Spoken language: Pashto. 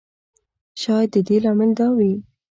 شاید د دې لامل دا وي.